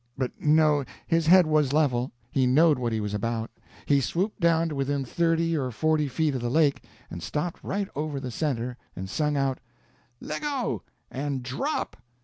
But no, his head was level, he knowed what he was about. He swooped down to within thirty or forty feet of the lake, and stopped right over the center, and sung out: "Leggo, and drop!"